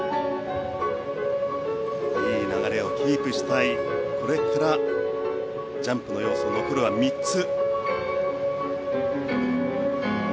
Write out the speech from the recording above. いい流れをキープしたいこれからジャンプの要素残るは３つ。